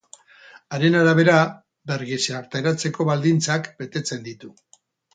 Haren arabera, bergizarteratzeko baldintzak betetzen ditu.